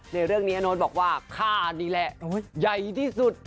ในเรื่องนี้อาโน๊ตบอกว่าค่านี่แหละใหญ่ที่สุด